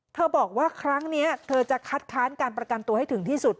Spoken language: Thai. บอกว่าครั้งนี้เธอจะคัดค้านการประกันตัวให้ถึงที่สุด